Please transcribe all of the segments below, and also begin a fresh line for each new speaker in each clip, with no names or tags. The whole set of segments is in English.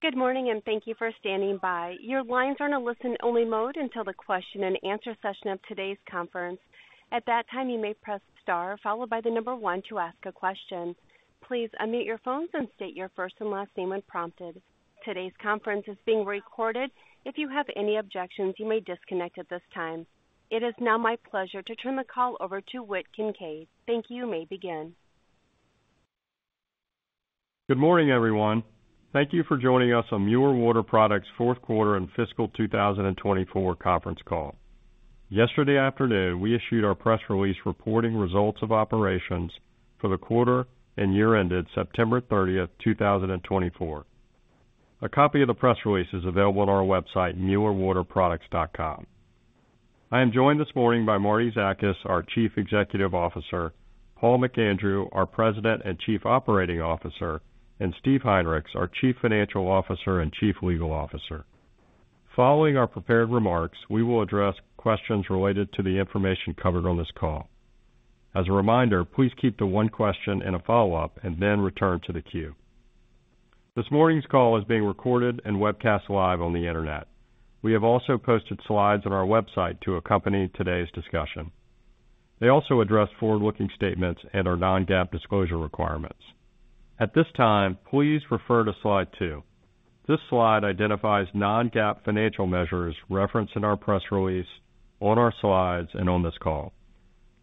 Good morning, and thank you for standing by. Your lines are in a listen-only mode until the question-and-answer session of today's conference. At that time, you may press star followed by the number one to ask a question. Please unmute your phones and state your first and last name when prompted. Today's conference is being recorded. If you have any objections, you may disconnect at this time. It is now my pleasure to turn the call over to Whit Kincaid. Thank you. You may begin.
Good morning, everyone. Thank you for joining us on Mueller Water Products' Q4 and Fiscal 2024 Conference Call. Yesterday afternoon, we issued our press release reporting results of operations for the quarter and year-ended September 30th, 2024. A copy of the press release is available on our website, muellerwaterproducts.com. I am joined this morning by Martie Zakas, our Chief Executive Officer; Paul McAndrew, our President and Chief Operating Officer; and Steve Heinrichs, our Chief Financial Officer and Chief Legal Officer. Following our prepared remarks, we will address questions related to the information covered on this call. As a reminder, please keep to one question and a follow-up, and then return to the queue. This morning's call is being recorded and webcast live on the internet. We have also posted slides on our website to accompany today's discussion. They also address forward-looking statements and our non-GAAP disclosure requirements. At this time, please refer to slide two. This slide identifies non-GAAP financial measures referenced in our press release, on our slides, and on this call.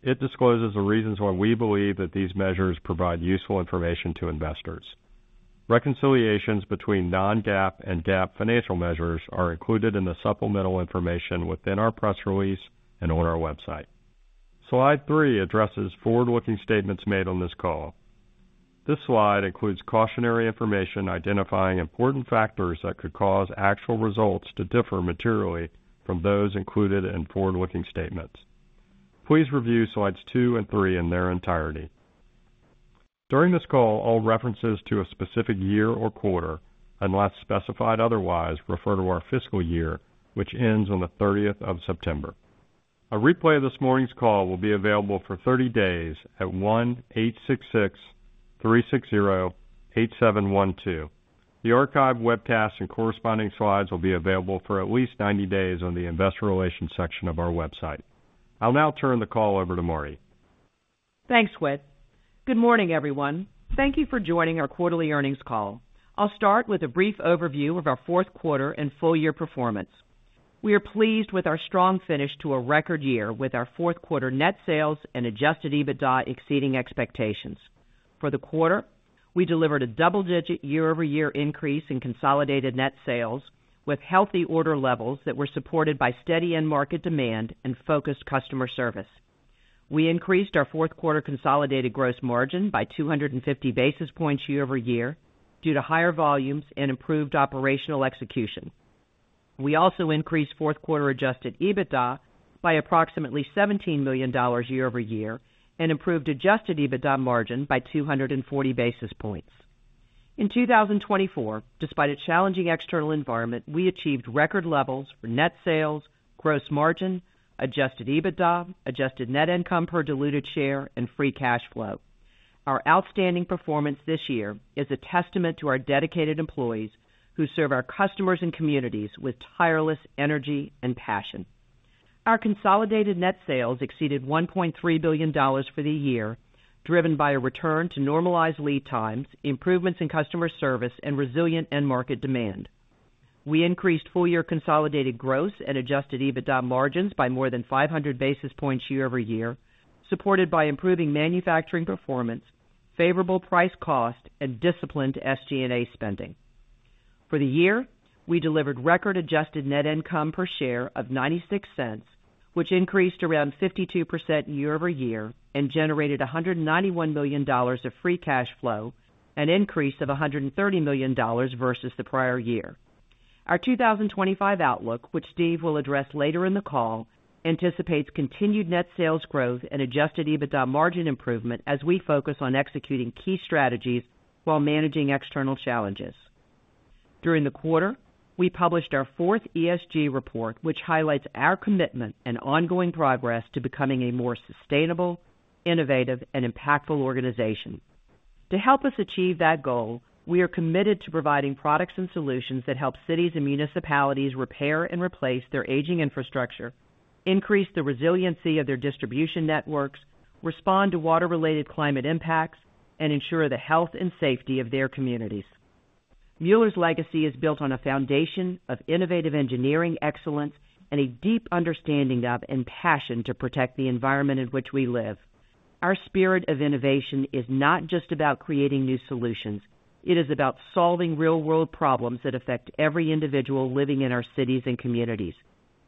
It discloses the reasons why we believe that these measures provide useful information to investors. Reconciliations between non-GAAP and GAAP financial measures are included in the supplemental information within our press release and on our website. Slide three addresses forward-looking statements made on this call. This slide includes cautionary information identifying important factors that could cause actual results to differ materially from those included in forward-looking statements. Please review slides two and three in their entirety. During this call, all references to a specific year or quarter, unless specified otherwise, refer to our fiscal year, which ends on the 30th of September. A replay of this morning's call will be available for 30 days at 1-866-360-8712. The archive, webcast, and corresponding slides will be available for at least 90 days on the investor relations section of our website. I'll now turn the call over to Martie.
Thanks, Whit. Good morning, everyone. Thank you for joining our quarterly earnings call. I'll start with a brief overview of our Q4 and full year performance. We are pleased with our strong finish to a record year with our Q4 net sales and adjusted EBITDA exceeding expectations. For the quarter, we delivered a double-digit year-over-year increase in consolidated net sales, with healthy order levels that were supported by steady end-market demand and focused customer service. We increased our Q4 consolidated gross margin by 250 basis points year-over-year due to higher volumes and improved operational execution. We also increased Q4 adjusted EBITDA by approximately $17 million year-over-year and improved adjusted EBITDA margin by 240 basis points. In 2024, despite a challenging external environment, we achieved record levels for net sales, gross margin, adjusted EBITDA, adjusted net income per diluted share, and free cash flow. Our outstanding performance this year is a testament to our dedicated employees who serve our customers and communities with tireless energy and passion. Our consolidated net sales exceeded $1.3 billion for the year, driven by a return to normalized lead times, improvements in customer service, and resilient end-market demand. We increased full year consolidated gross and adjusted EBITDA margins by more than 500 basis points year-over-year, supported by improving manufacturing performance, favorable price-cost, and disciplined SG&A spending. For the year, we delivered record adjusted net income per share of $0.96, which increased around 52% year-over-year and generated $191 million of free cash flow, an increase of $130 million versus the prior year. Our 2025 outlook, which Steve will address later in the call, anticipates continued net sales growth and adjusted EBITDA margin improvement as we focus on executing key strategies while managing external challenges. During the quarter, we published our fourth ESG report, which highlights our commitment and ongoing progress to becoming a more sustainable, innovative, and impactful organization. To help us achieve that goal, we are committed to providing products and solutions that help cities and municipalities repair and replace their aging infrastructure, increase the resiliency of their distribution networks, respond to water-related climate impacts, and ensure the health and safety of their communities. Mueller's legacy is built on a foundation of innovative engineering excellence and a deep understanding of and passion to protect the environment in which we live. Our spirit of innovation is not just about creating new solutions. It is about solving real-world problems that affect every individual living in our cities and communities,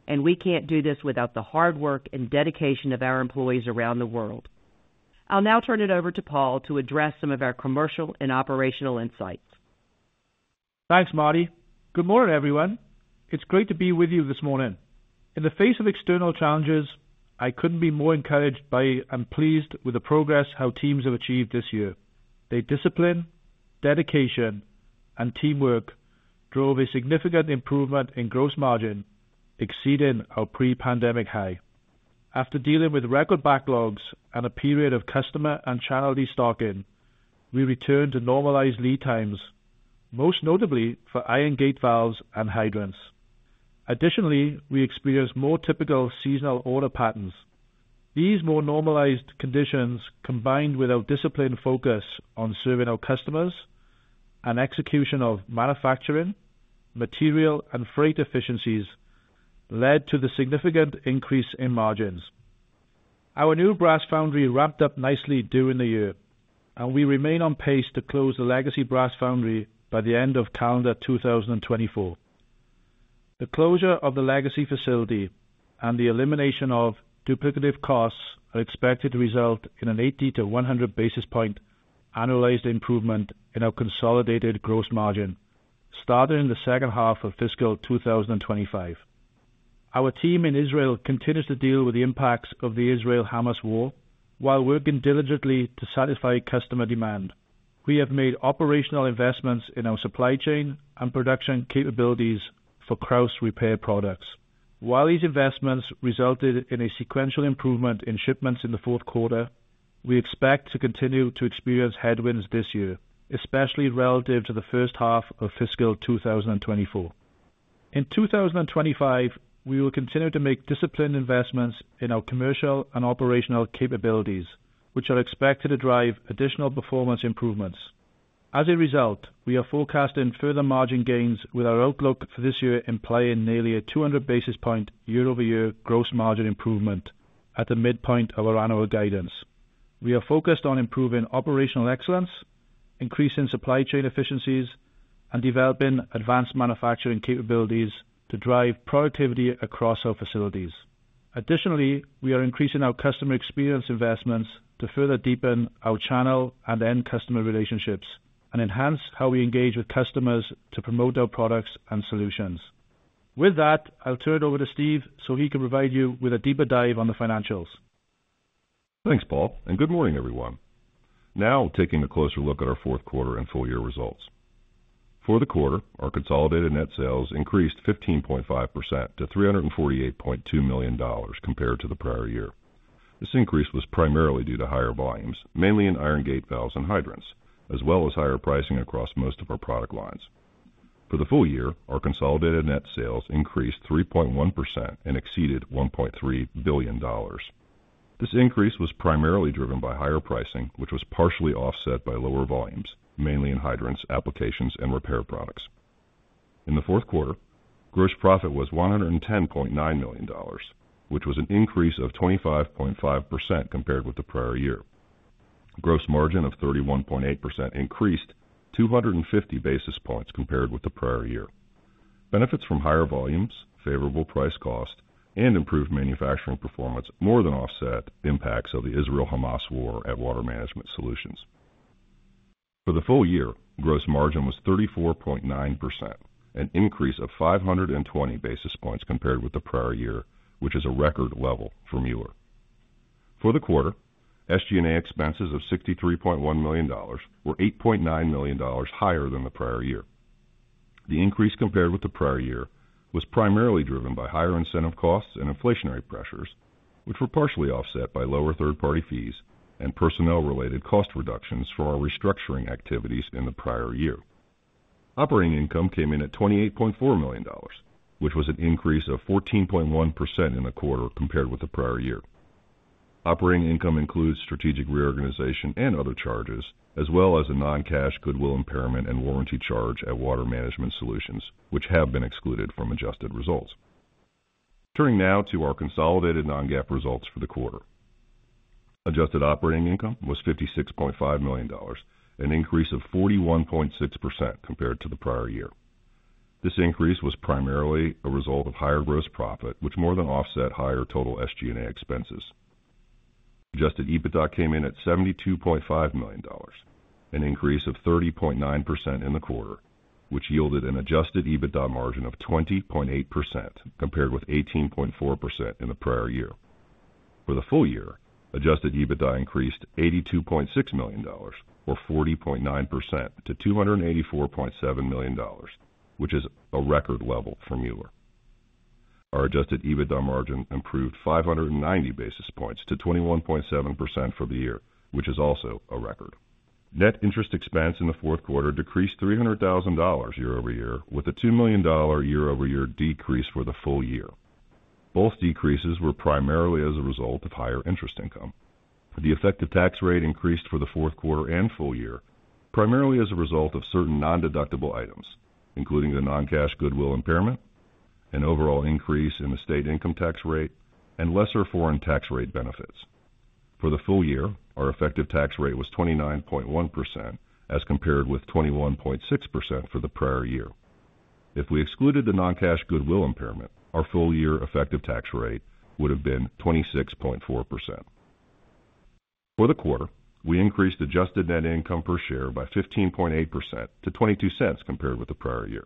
and we can't do this without the hard work and dedication of our employees around the world. I'll now turn it over to Paul to address some of our commercial and operational insights.
Thanks, Martie. Good morning, everyone. It's great to be with you this morning. In the face of external challenges, I couldn't be more encouraged by and pleased with the progress our teams have achieved this year. Their discipline, dedication, and teamwork drove a significant improvement in gross margin, exceeding our pre-pandemic high. After dealing with record backlogs and a period of customer and channel restocking, we returned to normalized lead times, most notably for iron gate valves and hydrants. Additionally, we experienced more typical seasonal order patterns. These more normalized conditions, combined with our disciplined focus on serving our customers and execution of manufacturing, material, and freight efficiencies, led to the significant increase in margins. Our new brass foundry ramped up nicely during the year, and we remain on pace to close the legacy brass foundry by the end of calendar 2024. The closure of the legacy facility and the elimination of duplicative costs are expected to result in an 80-100 basis points annualized improvement in our consolidated gross margin, starting in the second half of fiscal 2025. Our team in Israel continues to deal with the impacts of the Israel-Hamas War while working diligently to satisfy customer demand. We have made operational investments in our supply chain and production capabilities for Krausz Repair Products. While these investments resulted in a sequential improvement in shipments in the Q4, we expect to continue to experience headwinds this year, especially relative to the first half of fiscal 2024. In 2025, we will continue to make disciplined investments in our commercial and operational capabilities, which are expected to drive additional performance improvements. As a result, we are forecasting further margin gains with our outlook for this year implying nearly a 200 basis point year-over-year gross margin improvement at the midpoint of our annual guidance. We are focused on improving operational excellence, increasing supply chain efficiencies, and developing advanced manufacturing capabilities to drive productivity across our facilities. Additionally, we are increasing our customer experience investments to further deepen our channel and end customer relationships and enhance how we engage with customers to promote our products and solutions. With that, I'll turn it over to Steve so he can provide you with a deeper dive on the financials.
Thanks, Paul, and good morning, everyone. Now, taking a closer look at our Q4 and full year results. For the quarter, our consolidated net sales increased 15.5% to $348.2 million compared to the prior year. This increase was primarily due to higher volumes, mainly in iron gate valves and hydrants, as well as higher pricing across most of our product lines. For the full year, our consolidated net sales increased 3.1% and exceeded $1.3 billion. This increase was primarily driven by higher pricing, which was partially offset by lower volumes, mainly in hydrants, applications, and repair products. In the Q4, gross profit was $110.9 million, which was an increase of 25.5% compared with the prior year. Gross margin of 31.8% increased 250 basis points compared with the prior year. Benefits from higher volumes, favorable price-cost, and improved manufacturing performance more than offset impacts of the Israel-Hamas War at Water Management Solutions. For the full year, gross margin was 34.9%, an increase of 520 basis points compared with the prior year, which is a record level for Mueller. For the quarter, SG&A expenses of $63.1 million were $8.9 million higher than the prior year. The increase compared with the prior year was primarily driven by higher incentive costs and inflationary pressures, which were partially offset by lower third-party fees and personnel-related cost reductions from our restructuring activities in the prior year. Operating income came in at $28.4 million, which was an increase of 14.1% in the quarter compared with the prior year. Operating income includes strategic reorganization and other charges, as well as a non-cash goodwill impairment and warranty charge at Water Management Solutions, which have been excluded from adjusted results. Turning now to our consolidated non-GAAP results for the quarter. Adjusted operating income was $56.5 million, an increase of 41.6% compared to the prior year. This increase was primarily a result of higher gross profit, which more than offset higher total SG&A expenses. Adjusted EBITDA came in at $72.5 million, an increase of 30.9% in the quarter, which yielded an adjusted EBITDA margin of 20.8% compared with 18.4% in the prior year. For the full year, adjusted EBITDA increased $82.6 million, or 40.9%, to $284.7 million, which is a record level for Mueller. Our adjusted EBITDA margin improved 590 basis points to 21.7% for the year, which is also a record. Net interest expense in the Q4 decreased $300,000 year-over-year, with a $2 million year-over-year decrease for the full year. Both decreases were primarily as a result of higher interest income. The effective tax rate increased for the Q4 and full year, primarily as a result of certain non-deductible items, including the non-cash goodwill impairment, an overall increase in the state income tax rate, and lesser foreign tax rate benefits. For the full year, our effective tax rate was 29.1% as compared with 21.6% for the prior year. If we excluded the non-cash goodwill impairment, our full year effective tax rate would have been 26.4%. For the quarter, we increased adjusted net income per share by 15.8% to $0.22 compared with the prior year.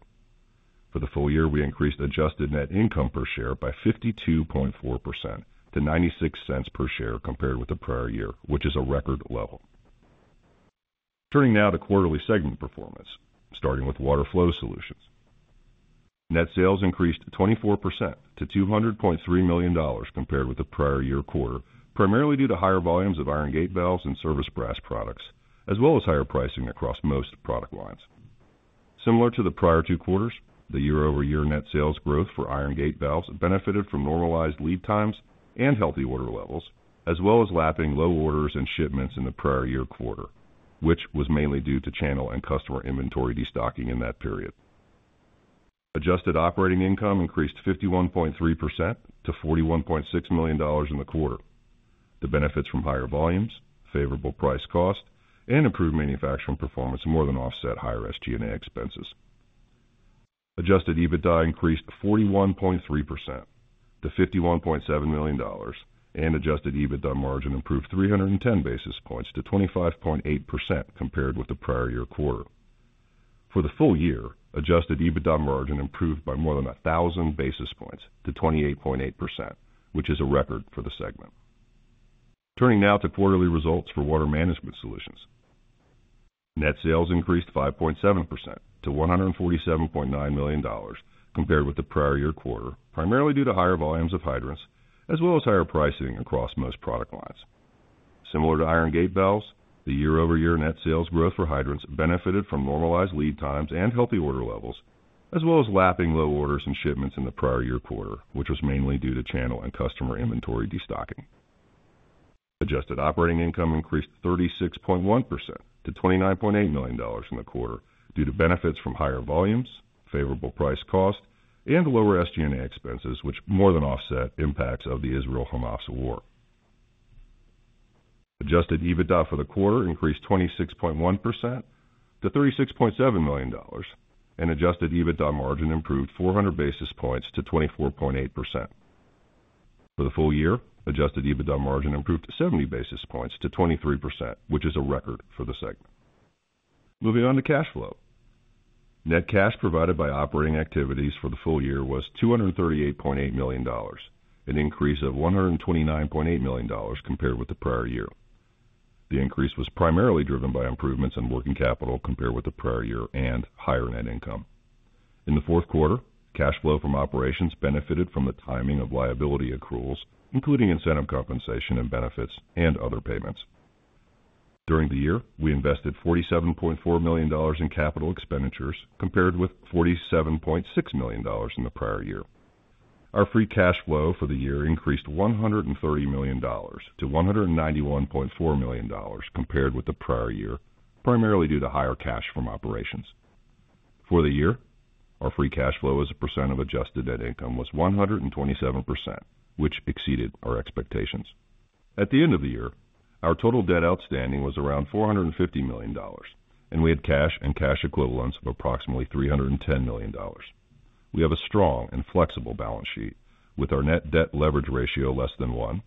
For the full year, we increased adjusted net income per share by 52.4% to $0.96 per share compared with the prior year, which is a record level. Turning now to quarterly segment performance, starting with Water Flow Solutions. Net sales increased 24% to $200.3 million compared with the prior year quarter, primarily due to higher volumes of iron gate valves and service brass products, as well as higher pricing across most product lines. Similar to the prior two quarters, the year-over-year net sales growth for iron gate valves benefited from normalized lead times and healthy order levels, as well as lapping low orders and shipments in the prior year quarter, which was mainly due to channel and customer inventory destocking in that period. Adjusted operating income increased 51.3% to $41.6 million in the quarter. The benefits from higher volumes, favorable price-cost, and improved manufacturing performance more than offset higher SG&A expenses. Adjusted EBITDA increased 41.3% to $51.7 million, and adjusted EBITDA margin improved 310 basis points to 25.8% compared with the prior year quarter. For the full year, adjusted EBITDA margin improved by more than 1,000 basis points to 28.8%, which is a record for the segment. Turning now to quarterly results for Water Management Solutions. Net sales increased 5.7% to $147.9 million compared with the prior year quarter, primarily due to higher volumes of hydrants, as well as higher pricing across most product lines. Similar to iron gate valves, the year-over-year net sales growth for hydrants benefited from normalized lead times and healthy order levels, as well as lapping low orders and shipments in the prior year quarter, which was mainly due to channel and customer inventory destocking. Adjusted operating income increased 36.1% to $29.8 million in the quarter due to benefits from higher volumes, favorable price-cost, and lower SG&A expenses, which more than offset impacts of the Israel-Hamas war. Adjusted EBITDA for the quarter increased 26.1% to $36.7 million, and adjusted EBITDA margin improved 400 basis points to 24.8%. For the full year, adjusted EBITDA margin improved 70 basis points to 23%, which is a record for the segment. Moving on to cash flow. Net cash provided by operating activities for the full year was $238.8 million, an increase of $129.8 million compared with the prior year. The increase was primarily driven by improvements in working capital compared with the prior year and higher net income. In the Q4, cash flow from operations benefited from the timing of liability accruals, including incentive compensation and benefits and other payments. During the year, we invested $47.4 million in capital expenditures compared with $47.6 million in the prior year. Our free cash flow for the year increased $130 million to $191.4 million compared with the prior year, primarily due to higher cash from operations. For the year, our free cash flow as a percent of adjusted net income was 127%, which exceeded our expectations. At the end of the year, our total debt outstanding was around $450 million, and we had cash and cash equivalents of approximately $310 million. We have a strong and flexible balance sheet with our net debt leverage ratio less than one,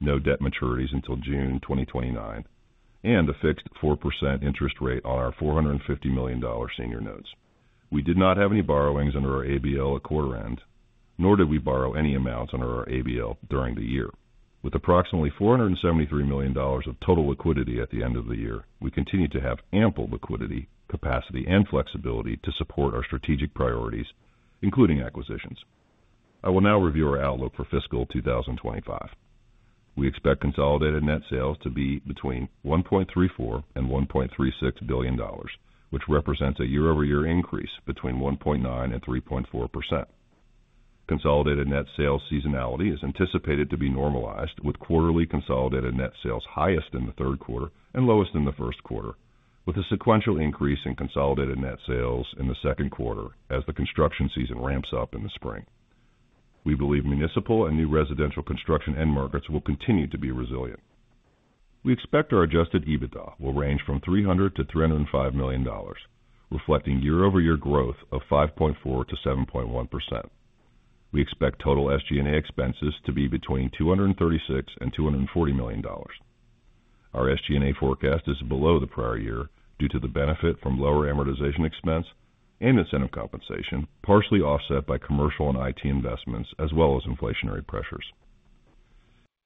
no debt maturities until June 2029, and a fixed 4% interest rate on our $450 million senior notes. We did not have any borrowings under our ABL at quarter end, nor did we borrow any amounts under our ABL during the year. With approximately $473 million of total liquidity at the end of the year, we continue to have ample liquidity, capacity, and flexibility to support our strategic priorities, including acquisitions. I will now review our outlook for fiscal 2025. We expect consolidated net sales to be between $1.34 and $1.36 billion, which represents a year-over-year increase between 1.9% and 3.4%. Consolidated net sales seasonality is anticipated to be normalized, with quarterly consolidated net sales highest in the Q3 and lowest in the Q1, with a sequential increase in consolidated net sales in the Q2 as the construction season ramps up in the spring. We believe municipal and new residential construction end markets will continue to be resilient. We expect our adjusted EBITDA will range from $300 to $305 million, reflecting year-over-year growth of 5.4% to 7.1%. We expect total SG&A expenses to be between $236 and $240 million. Our SG&A forecast is below the prior year due to the benefit from lower amortization expense and incentive compensation, partially offset by commercial and IT investments, as well as inflationary pressures.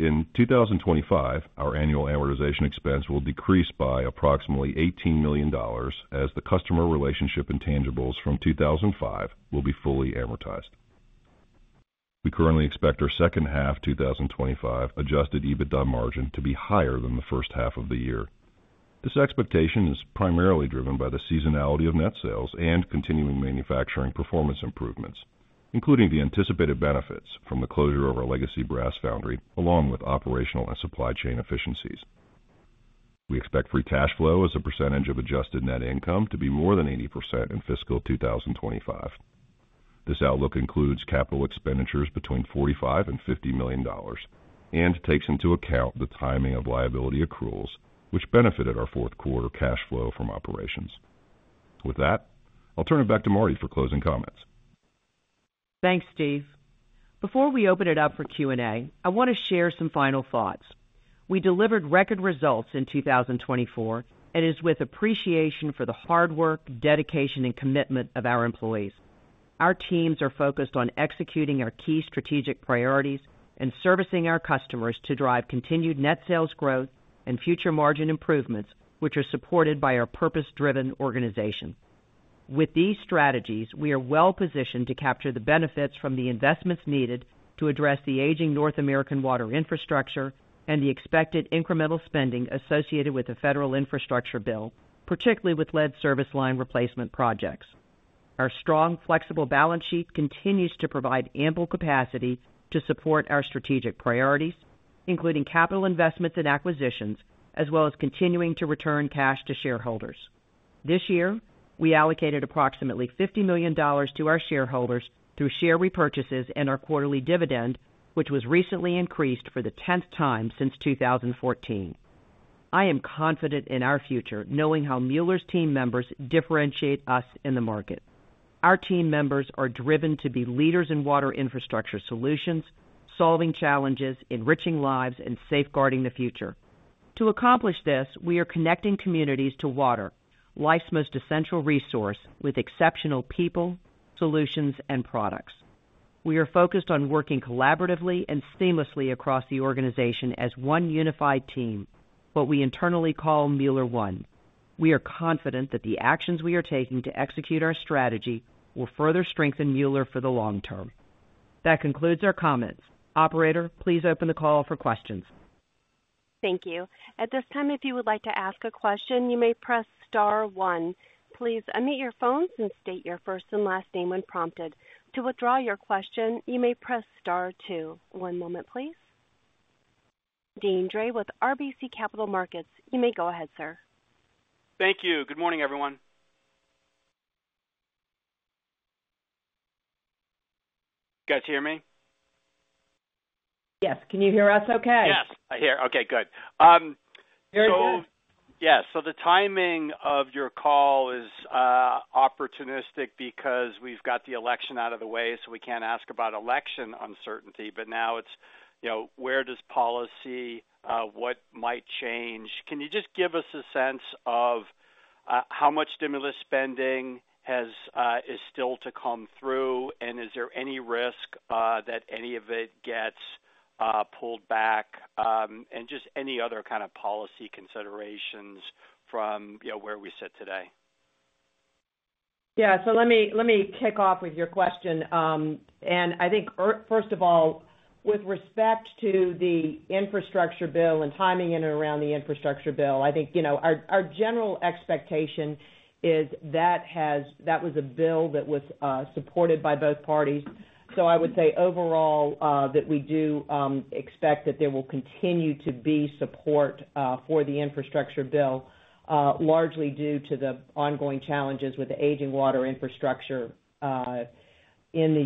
In 2025, our annual amortization expense will decrease by approximately $18 million as the customer relationship intangibles from 2005 will be fully amortized. We currently expect our second-half 2025 adjusted EBITDA margin to be higher than the first half of the year. This expectation is primarily driven by the seasonality of net sales and continuing manufacturing performance improvements, including the anticipated benefits from the closure of our legacy brass foundry, along with operational and supply chain efficiencies. We expect free cash flow as a percentage of adjusted net income to be more than 80% in fiscal 2025. This outlook includes capital expenditures between $45 to $50 million and takes into account the timing of liability accruals, which benefited our Q4 cash flow from operations. With that, I'll turn it back to Martie for closing comments.
Thanks, Steve. Before we open it up for Q&A, I want to share some final thoughts. We delivered record results in 2024 and it is with appreciation for the hard work, dedication, and commitment of our employees. Our teams are focused on executing our key strategic priorities and servicing our customers to drive continued net sales growth and future margin improvements, which are supported by our purpose-driven organization. With these strategies, we are well positioned to capture the benefits from the investments needed to address the aging North American water infrastructure and the expected incremental spending associated with the federal infrastructure bill, particularly with lead service line replacement projects. Our strong, flexible balance sheet continues to provide ample capacity to support our strategic priorities, including capital investments and acquisitions, as well as continuing to return cash to shareholders. This year, we allocated approximately $50 million to our shareholders through share repurchases and our quarterly dividend, which was recently increased for the 10th time since 2014. I am confident in our future, knowing how Mueller's team members differentiate us in the market. Our team members are driven to be leaders in water infrastructure solutions, solving challenges, enriching lives, and safeguarding the future. To accomplish this, we are connecting communities to water, life's most essential resource, with exceptional people, solutions, and products. We are focused on working collaboratively and seamlessly across the organization as one unified team, what we internally call Mueller One. We are confident that the actions we are taking to execute our strategy will further strengthen Mueller for the long term. That concludes our comments. Operator, please open the call for questions.
Thank you. At this time, if you would like to ask a question, you may press star one. Please unmute your phones and state your first and last name when prompted. To withdraw your question, you may press star two. One moment, please. Deane Dray with RBC Capital Markets. You may go ahead, sir.
Thank you. Good morning, everyone. You guys hear me?
Yes. Can you hear us okay?
Yes, I hear. Okay, good. So, yeah. So the timing of your call is opportunistic because we've got the election out of the way, so we can't ask about election uncertainty. But now it's where does policy, what might change? Can you just give us a sense of how much stimulus spending is still to come through, and is there any risk that any of it gets pulled back, and just any other kind of policy considerations from where we sit today?
Yeah. So let me kick off with your question. And I think, first of all, with respect to the infrastructure bill and timing in and around the infrastructure bill, I think our general expectation is that that was a bill that was supported by both parties. So I would say overall that we do expect that there will continue to be support for the infrastructure bill, largely due to the ongoing challenges with the aging water infrastructure in the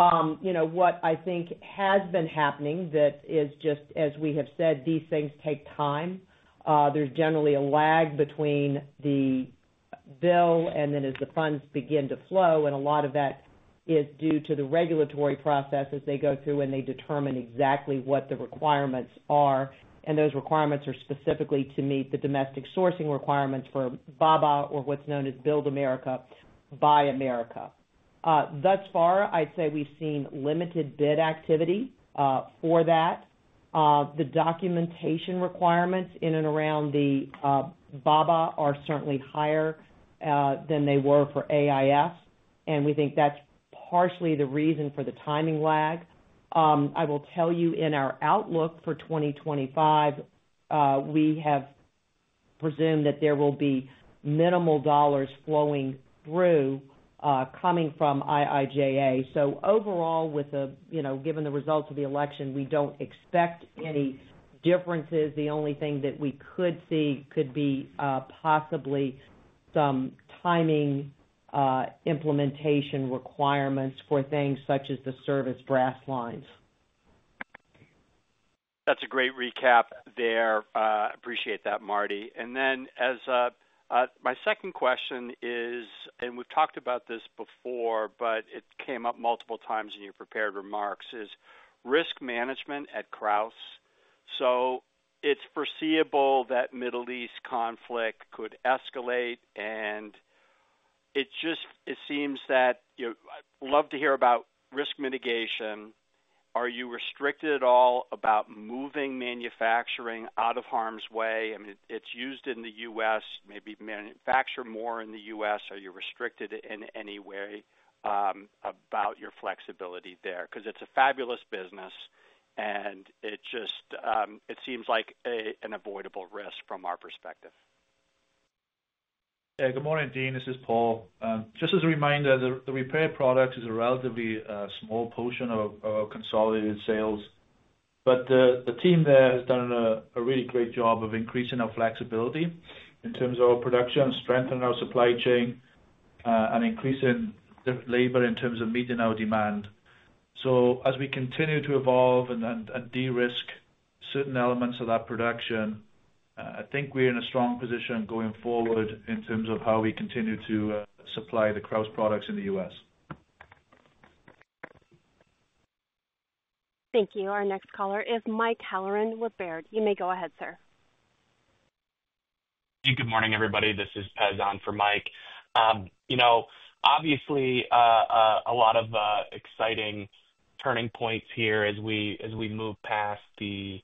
US What I think has been happening that is just, as we have said, these things take time. There's generally a lag between the bill and then as the funds begin to flow, and a lot of that is due to the regulatory process as they go through and they determine exactly what the requirements are. Those requirements are specifically to meet the domestic sourcing requirements for BABA or what's known as Build America, Buy America. Thus far, I'd say we've seen limited bid activity for that. The documentation requirements in and around the BABA are certainly higher than they were for AIS, and we think that's partially the reason for the timing lag. I will tell you in our outlook for 2025, we have presumed that there will be minimal dollars flowing through coming from IIJA. Overall, given the results of the election, we don't expect any differences. The only thing that we could see could be possibly some timing implementation requirements for things such as the service brass lines.
That's a great recap there. I appreciate that, Martie. And then my second question is, and we've talked about this before, but it came up multiple times in your prepared remarks, is risk management at Krausz. So it's foreseeable that Middle East conflict could escalate, and it seems that I'd love to hear about risk mitigation. Are you restricted at all about moving manufacturing out of harm's way? I mean, it's used in the US, maybe manufacture more in the US. Are you restricted in any way about your flexibility there? Because it's a fabulous business, and it seems like an avoidable risk from our perspective.
Yeah. Good morning, Deane. This is Paul. Just as a reminder, the repair products is a relatively small portion of our consolidated sales. But the team there has done a really great job of increasing our flexibility in terms of our production, strengthening our supply chain, and increasing labor in terms of meeting our demand. So as we continue to evolve and de-risk certain elements of that production, I think we're in a strong position going forward in terms of how we continue to supply the Krausz products in the US
Thank you. Our next caller is Mike Halloran with Baird. You may go ahead, sir.
Hey, good morning, everybody. This is Tyson for Mike. Obviously, a lot of exciting turning points here as we move past the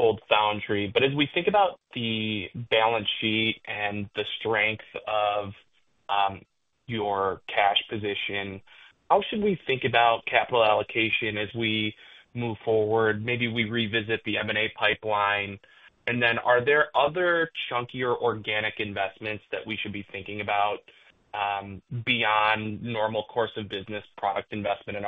old foundry, but as we think about the balance sheet and the strength of your cash position, how should we think about capital allocation as we move forward? Maybe we revisit the M&A pipeline, and then are there other chunkier organic investments that we should be thinking about beyond normal course of business product investment and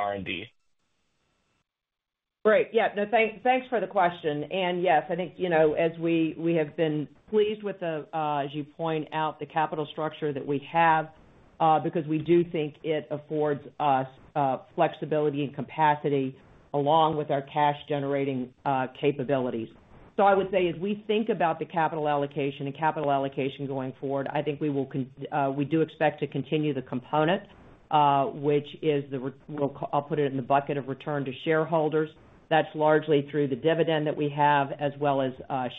R&D?
Right. Yeah. No, thanks for the question. And yes, I think as we have been pleased with, as you point out, the capital structure that we have because we do think it affords us flexibility and capacity along with our cash-generating capabilities. So I would say as we think about the capital allocation and capital allocation going forward, I think we do expect to continue the component, which is the I'll put it in the bucket of return to shareholders. That's largely through the dividend that we have as well as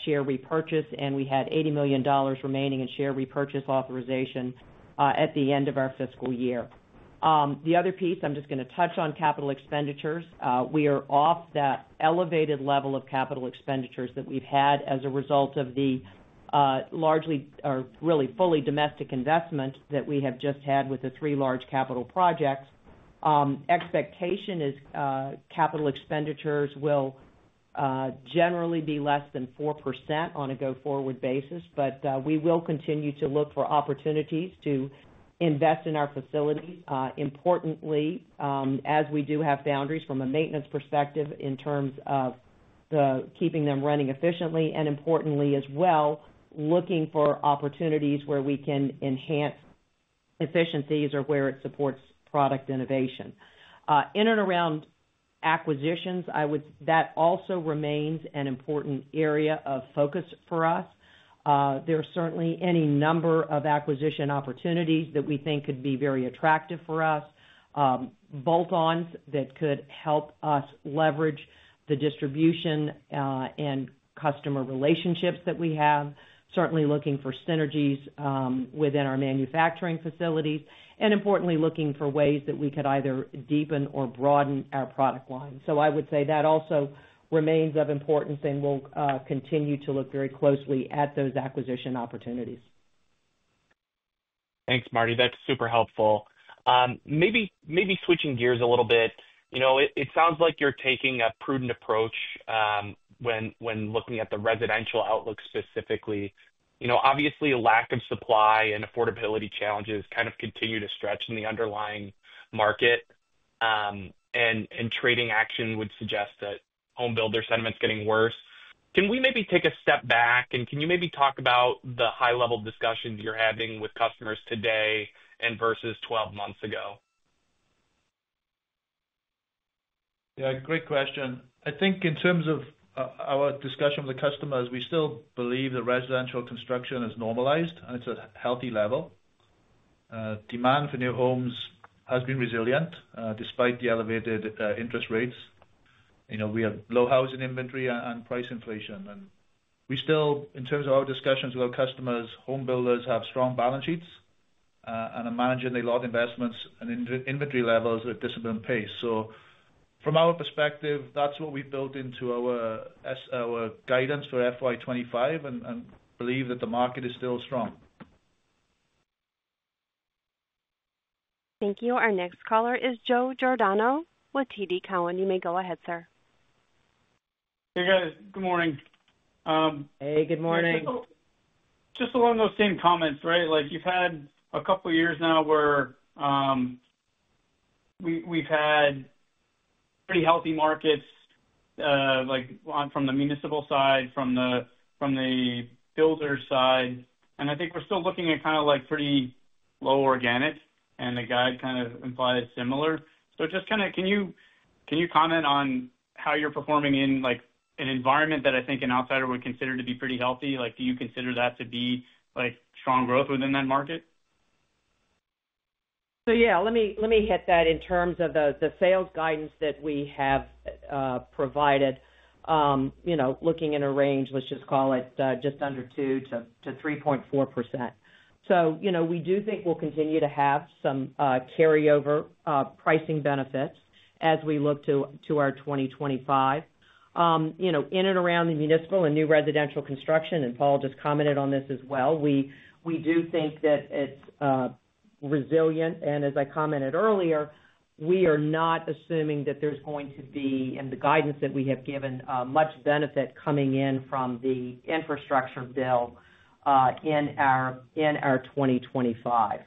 share repurchase. And we had $80 million remaining in share repurchase authorization at the end of our fiscal year. The other piece I'm just going to touch on capital expenditures. We are off that elevated level of capital expenditures that we've had as a result of the largely or really fully domestic investment that we have just had with the three large capital projects. Expectation is capital expenditures will generally be less than 4% on a go-forward basis, but we will continue to look for opportunities to invest in our facilities. Importantly, as we do have foundries from a maintenance perspective in terms of keeping them running efficiently, and importantly as well, looking for opportunities where we can enhance efficiencies or where it supports product innovation. In and around acquisitions, that also remains an important area of focus for us. There are certainly any number of acquisition opportunities that we think could be very attractive for us, bolt-ons that could help us leverage the distribution and customer relationships that we have, certainly looking for synergies within our manufacturing facilities, and importantly, looking for ways that we could either deepen or broaden our product line. So I would say that also remains of importance, and we'll continue to look very closely at those acquisition opportunities.
Thanks, Martie. That's super helpful. Maybe switching gears a little bit, it sounds like you're taking a prudent approach when looking at the residential outlook specifically. Obviously, a lack of supply and affordability challenges kind of continue to stretch in the underlying market, and trading action would suggest that home builder sentiment's getting worse. Can we maybe take a step back, and can you maybe talk about the high-level discussions you're having with customers today versus 12 months ago?
Yeah, great question. I think in terms of our discussion with the customers, we still believe that residential construction has normalized, and it's at a healthy level. Demand for new homes has been resilient despite the elevated interest rates. We have low housing inventory and price inflation, and we still, in terms of our discussions with our customers, home builders have strong balance sheets and are managing their lot investments and inventory levels at disciplined pace. So from our perspective, that's what we've built into our guidance for FY2025, and believe that the market is still strong.
Thank you. Our next caller is Joe Giordano with TD Cowen. You may go ahead, sir.
Hey, guys. Good morning.
Hey, good morning.
Just along those same comments, right? You've had a couple of years now where we've had pretty healthy markets from the municipal side, from the builder side, and I think we're still looking at kind of pretty low organic, and the guide kind of implies similar, so just kind of can you comment on how you're performing in an environment that I think an outsider would consider to be pretty healthy? Do you consider that to be strong growth within that market?
So yeah, let me hit that in terms of the sales guidance that we have provided, looking in a range, let's just call it just under 2% to 3.4%. So we do think we'll continue to have some carryover pricing benefits as we look to our 2025. In and around the municipal and new residential construction, and Paul just commented on this as well, we do think that it's resilient. And as I commented earlier, we are not assuming that there's going to be, in the guidance that we have given, much benefit coming in from the infrastructure bill in our 2025.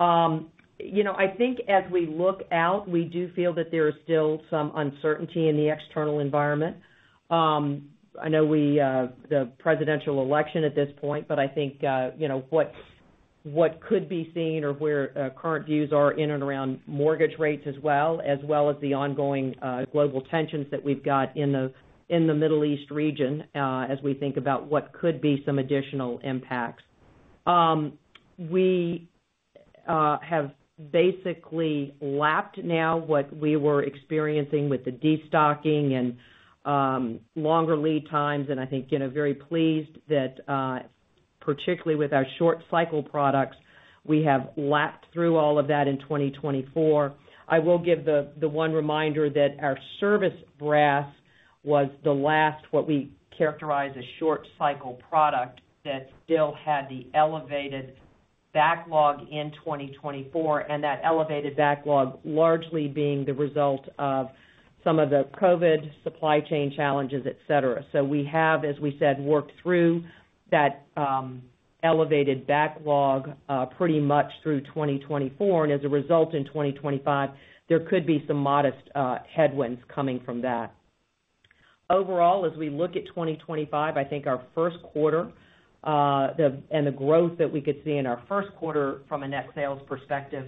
I think as we look out, we do feel that there is still some uncertainty in the external environment. I know the presidential election at this point, but I think what could be seen or where current views are in and around mortgage rates as well, as well as the ongoing global tensions that we've got in the Middle East region as we think about what could be some additional impacts. We have basically lapped now what we were experiencing with the destocking and longer lead times, and I think very pleased that particularly with our short-cycle products, we have lapped through all of that in 2024. I will give the one reminder that our service brass was the last what we characterize as short-cycle product that still had the elevated backlog in 2024, and that elevated backlog largely being the result of some of the COVID supply chain challenges, etc. So we have, as we said, worked through that elevated backlog pretty much through 2024. As a result in 2025, there could be some modest headwinds coming from that. Overall, as we look at 2025, I think our Q1 and the growth that we could see in our Q1 from a net sales perspective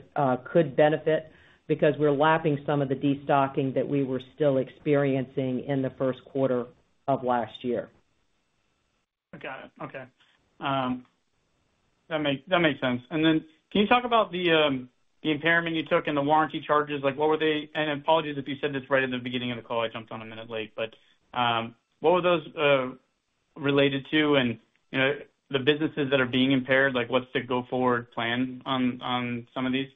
could benefit because we're lapping some of the destocking that we were still experiencing in the Q1 of last year.
Got it. Okay. That makes sense. And then can you talk about the impairment you took in the warranty charges? What were they? And apologies if you said this right at the beginning of the call. I jumped on a minute late. But what were those related to? And the businesses that are being impaired, what's the go-forward plan on some of these?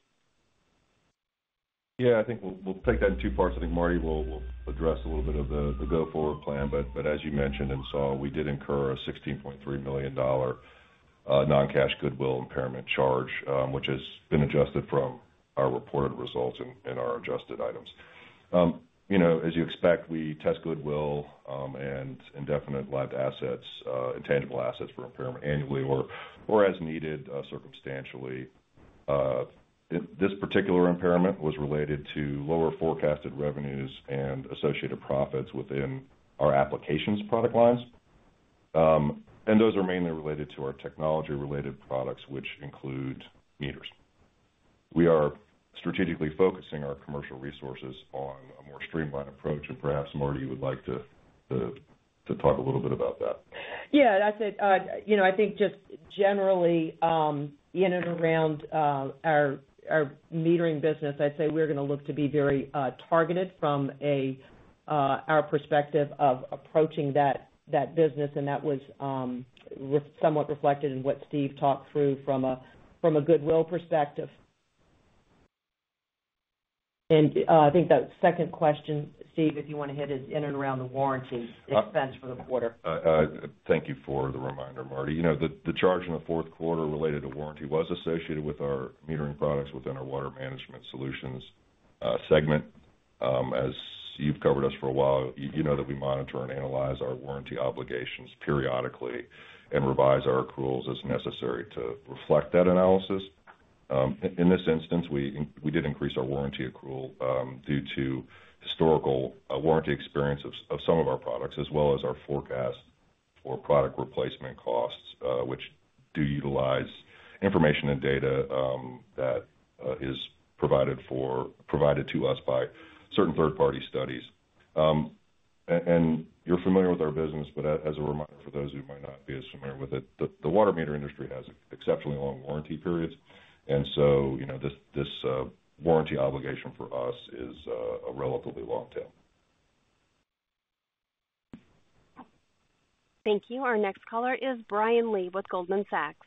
Yeah. I think we'll take that in two parts. I think Martie will address a little bit of the go-forward plan. But as you mentioned and saw, we did incur a $16.3 million non-cash goodwill impairment charge, which has been adjusted from our reported results and our adjusted items. As you expect, we test goodwill and indefinite-lived assets, intangible assets for impairment annually or as needed circumstantially. This particular impairment was related to lower forecasted revenues and associated profits within our applications product lines. And those are mainly related to our technology-related products, which include meters. We are strategically focusing our commercial resources on a more streamlined approach. And perhaps Martie would like to talk a little bit about that.
Yeah. I think just generally in and around our metering business, I'd say we're going to look to be very targeted from our perspective of approaching that business. And that was somewhat reflected in what Steve talked through from a goodwill perspective. And I think that second question, Steve, if you want to hit is in and around the warranty expense for the quarter.
Thank you for the reminder, Martie. The charge in the Q4 related to warranty was associated with our metering products within our Water Management Solutions segment. As you've covered us for a while, you know that we monitor and analyze our warranty obligations periodically and revise our accruals as necessary to reflect that analysis. In this instance, we did increase our warranty accrual due to historical warranty experience of some of our products as well as our forecast for product replacement costs, which do utilize information and data that is provided to us by certain third-party studies, and you're familiar with our business, but as a reminder for those who might not be as familiar with it, the water meter industry has exceptionally long warranty periods, and so this warranty obligation for us is a relatively long tail.
Thank you. Our next caller is Brian Lee with Goldman Sachs.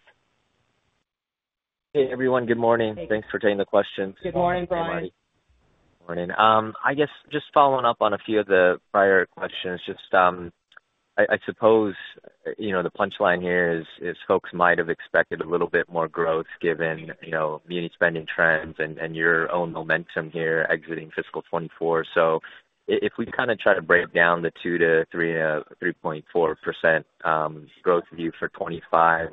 Hey, everyone. Good morning. Thanks for taking the question.
Good morning, Brian.
Good morning. I guess just following up on a few of the prior questions, just I suppose the punchline here is folks might have expected a little bit more growth given the unit spending trends and your own momentum here exiting fiscal 2024. So if we kind of try to break down the 2% to 3.4% growth view for 2025,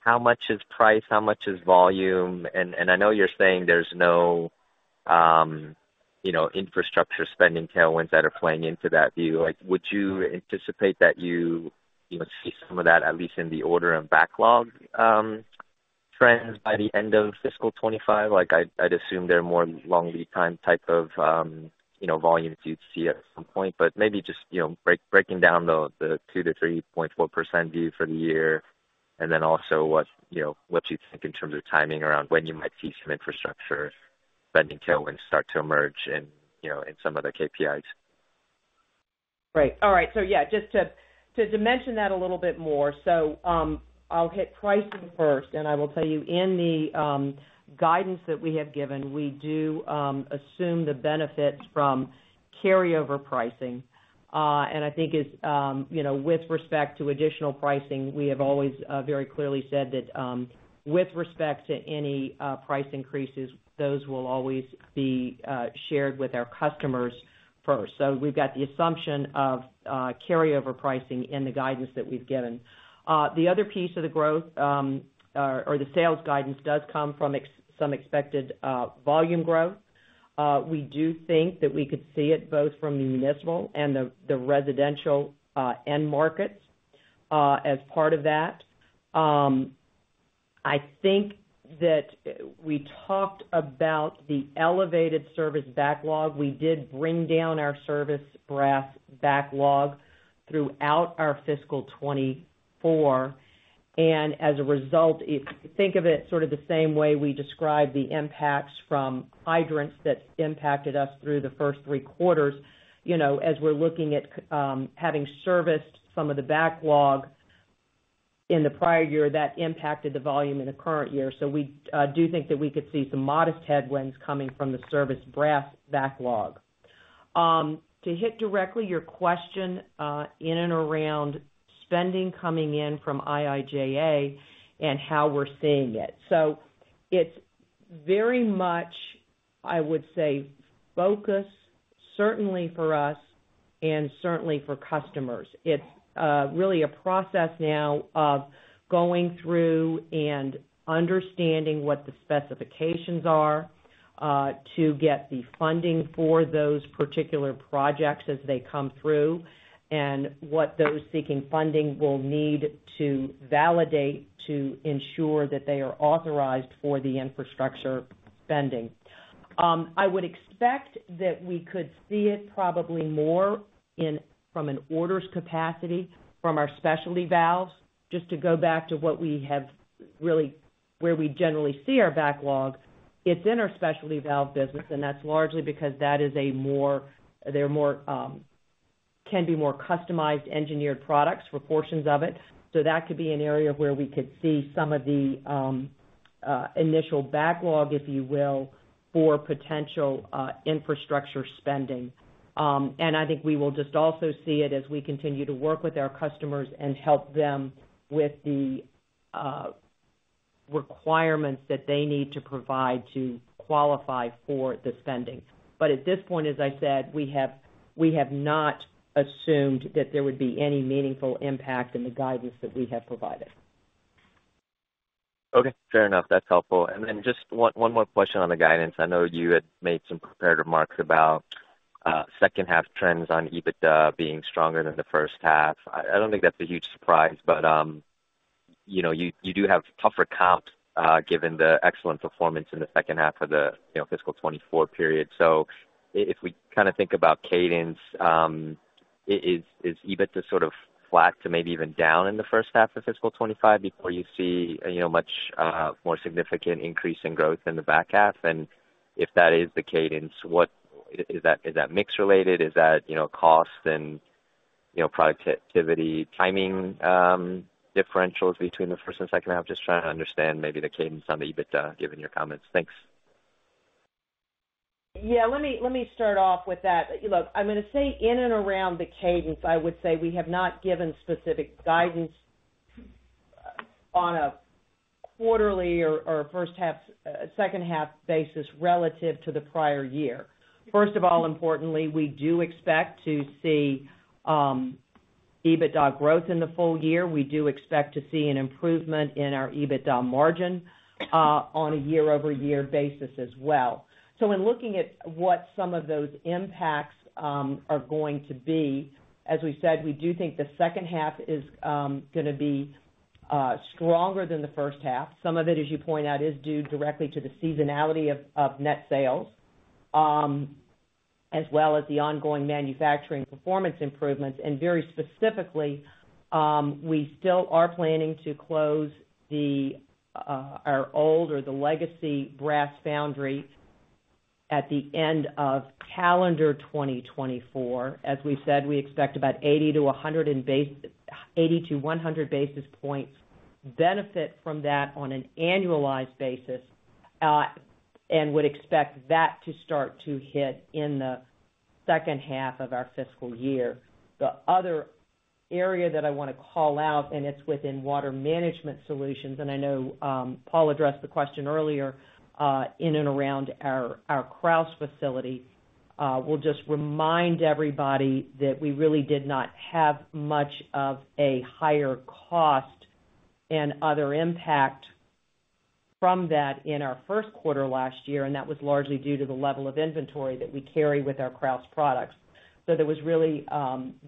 how much is price, how much is volume? And I know you're saying there's no infrastructure spending tailwinds that are playing into that view. Would you anticipate that you see some of that at least in the order and backlog trends by the end of fiscal 2025? I'd assume they're more long lead time type of volumes you'd see at some point. But maybe just breaking down the 2% to 3.4% view for the year and then also what you think in terms of timing around when you might see some infrastructure spending tailwinds start to emerge in some of the KPIs?
Right. All right. So yeah, just to dimension that a little bit more. So I'll hit pricing first. And I will tell you in the guidance that we have given, we do assume the benefits from carryover pricing. And I think with respect to additional pricing, we have always very clearly said that with respect to any price increases, those will always be shared with our customers first. So we've got the assumption of carryover pricing in the guidance that we've given. The other piece of the growth or the sales guidance does come from some expected volume growth. We do think that we could see it both from the municipal and the residential end markets as part of that. I think that we talked about the elevated service backlog. We did bring down our service brass backlog throughout our fiscal 2024. As a result, if you think of it sort of the same way we describe the impacts from hydrants that impacted us through the first three quarters, as we're looking at having serviced some of the backlog in the prior year, that impacted the volume in the current year. So we do think that we could see some modest headwinds coming from the service brass backlog. To hit directly your question in and around spending coming in from IIJA and how we're seeing it. So it's very much, I would say, focus certainly for us and certainly for customers. It's really a process now of going through and understanding what the specifications are to get the funding for those particular projects as they come through and what those seeking funding will need to validate to ensure that they are authorized for the infrastructure spending. I would expect that we could see it probably more from an orders capacity from our specialty valves. Just to go back to what we have really where we generally see our backlog, it's in our specialty valve business, and that's largely because that is a more there can be more customized engineered products for portions of it. So that could be an area where we could see some of the initial backlog, if you will, for potential infrastructure spending, and I think we will just also see it as we continue to work with our customers and help them with the requirements that they need to provide to qualify for the spending, but at this point, as I said, we have not assumed that there would be any meaningful impact in the guidance that we have provided.
Okay. Fair enough. That's helpful. And then just one more question on the guidance. I know you had made some preparatory remarks about second-half trends on EBITDA being stronger than the first half. I don't think that's a huge surprise, but you do have tougher comps given the excellent performance in the second half of the fiscal 2024 period. So if we kind of think about cadence, is EBITDA sort of flat to maybe even down in the first half of fiscal 2025 before you see much more significant increase in growth in the back half? And if that is the cadence, is that mix-related? Is that cost and productivity timing differentials between the first and second half? Just trying to understand maybe the cadence on the EBITDA given your comments. Thanks.
Yeah. Let me start off with that. Look, I'm going to say in and around the cadence, I would say we have not given specific guidance on a quarterly or first-half, second-half basis relative to the prior year. First of all, importantly, we do expect to see EBITDA growth in the full year. We do expect to see an improvement in our EBITDA margin on a year-over-year basis as well. So in looking at what some of those impacts are going to be, as we said, we do think the second half is going to be stronger than the first half. Some of it, as you point out, is due directly to the seasonality of net sales as well as the ongoing manufacturing performance improvements. And very specifically, we still are planning to close our old or the legacy brass foundry at the end of calendar 2024. As we said, we expect about 80-100 basis points benefit from that on an annualized basis and would expect that to start to hit in the second half of our fiscal year. The other area that I want to call out, and it's within water management solutions, and I know Paul addressed the question earlier in and around our Krausz facility, will just remind everybody that we really did not have much of a higher cost and other impact from that in our Q1 last year, and that was largely due to the level of inventory that we carry with our Krausz products, so there was really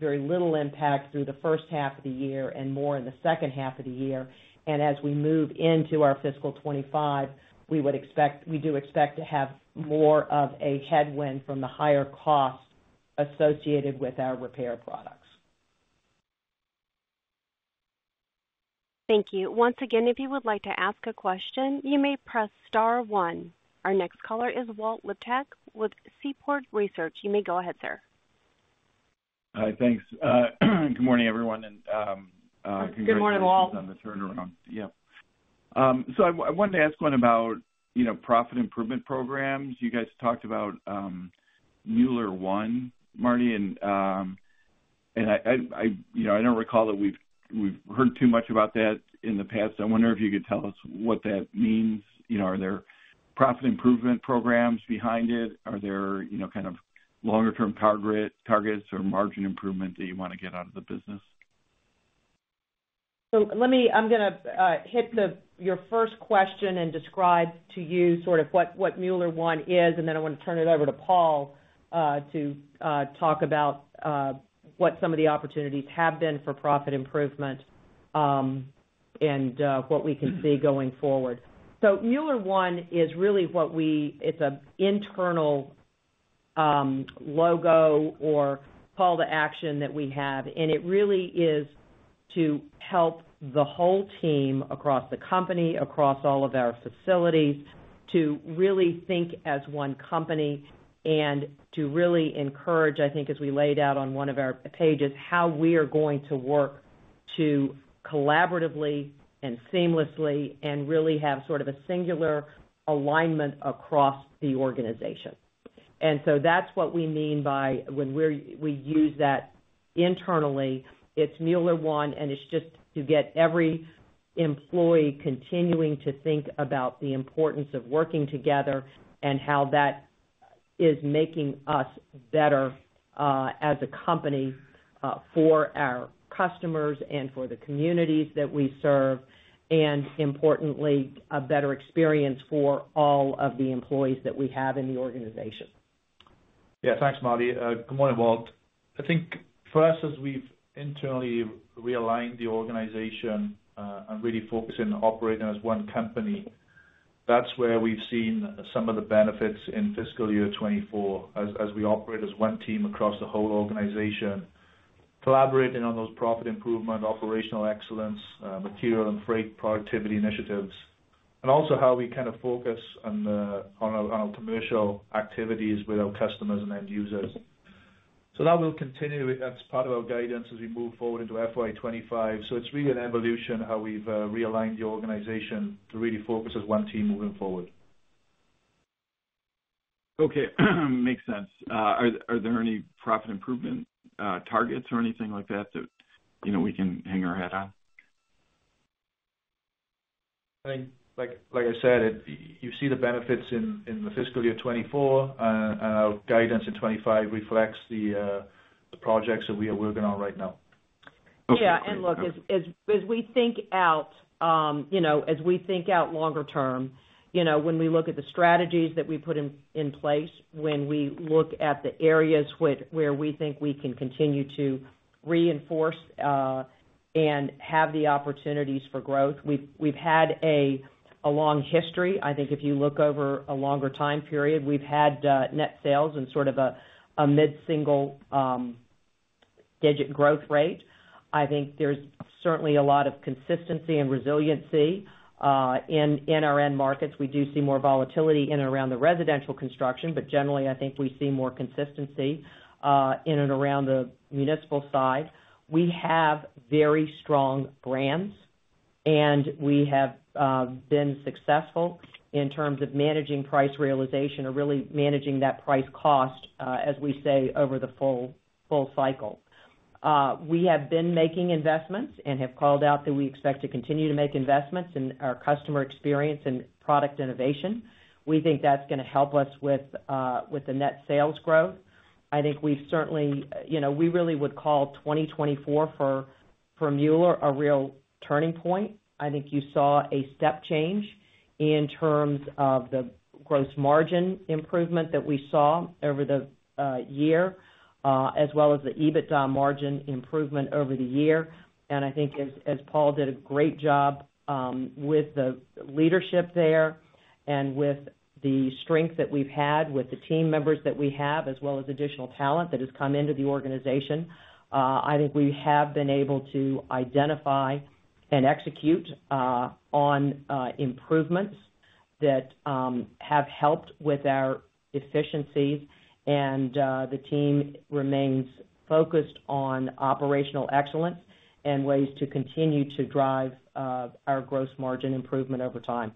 very little impact through the first half of the year and more in the second half of the year. As we move into our fiscal 2025, we do expect to have more of a headwind from the higher cost associated with our repair products.
Thank you. Once again, if you would like to ask a question, you may press star one. Our next caller is Walt Liptak with Seaport Research Partners. You may go ahead, sir.
Hi. Thanks. Good morning, everyone. And congratulations on the turnaround.
Good morning, Walt?
Yeah. So I wanted to ask one about profit improvement programs. You guys talked about Mueller One, Martie, and I don't recall that we've heard too much about that in the past. I wonder if you could tell us what that means. Are there profit improvement programs behind it? Are there kind of longer-term targets or margin improvement that you want to get out of the business?
So I'm going to hit your first question and describe to you sort of what Mueller One is, and then I want to turn it over to Paul to talk about what some of the opportunities have been for profit improvement and what we can see going forward. Mueller One is really what we - it's an internal logo or call to action that we have. And it really is to help the whole team across the company, across all of our facilities, to really think as one company and to really encourage, I think, as we laid out on one of our pages, how we are going to work to collaboratively and seamlessly and really have sort of a singular alignment across the organization. And so that's what we mean by when we use that internally. It's Mueller One, and it's just to get every employee continuing to think about the importance of working together and how that is making us better as a company for our customers and for the communities that we serve, and importantly, a better experience for all of the employees that we have in the organization.
Yeah. Thanks, Martie. Good morning, Walt. I think for us, as we've internally realigned the organization and really focusing on operating as one company, that's where we've seen some of the benefits in fiscal year 2024 as we operate as one team across the whole organization, collaborating on those profit improvement, operational excellence, material, and freight productivity initiatives, and also how we kind of focus on our commercial activities with our customers and end users. So that will continue as part of our guidance as we move forward into FY 2025. So it's really an evolution how we've realigned the organization to really focus as one team moving forward.
Okay. Makes sense. Are there any profit improvement targets or anything like that that we can hang our hat on?
I think, like I said, you see the benefits in the fiscal year 2024, and our guidance in 2025 reflects the projects that we are working on right now.
Yeah. And look, as we think out longer term, when we look at the strategies that we put in place, when we look at the areas where we think we can continue to reinforce and have the opportunities for growth, we've had a long history. I think if you look over a longer time period, we've had net sales and sort of a mid-single-digit growth rate. I think there's certainly a lot of consistency and resiliency in our end markets. We do see more volatility in and around the residential construction, but generally, I think we see more consistency in and around the municipal side. We have very strong brands, and we have been successful in terms of managing price realization or really managing that price-cost, as we say, over the full cycle. We have been making investments and have called out that we expect to continue to make investments in our customer experience and product innovation. We think that's going to help us with the net sales growth. I think we've certainly. We really would call 2024 for Mueller a real turning point. I think you saw a step change in terms of the gross margin improvement that we saw over the year, as well as the EBITDA margin improvement over the year. And I think as Paul did a great job with the leadership there and with the strength that we've had with the team members that we have, as well as additional talent that has come into the organization, I think we have been able to identify and execute on improvements that have helped with our efficiencies, and the team remains focused on operational excellence and ways to continue to drive our gross margin improvement over time.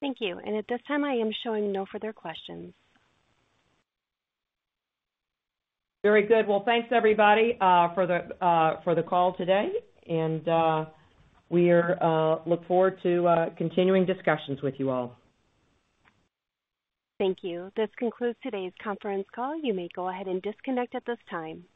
Thank you, and at this time, I am showing no further questions.
Very good. Well, thanks, everybody, for the call today. And we look forward to continuing discussions with you all.
Thank you. This concludes today's conference call. You may go ahead and disconnect at this time.